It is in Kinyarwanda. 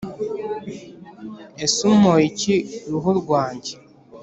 ese umpoye iki ruhu rwange?